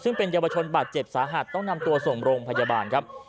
ซึ่งเป็นเยาวชนบาดเจ็บสาหัสต้องนำตัวส่งโรงพยาบาลครับ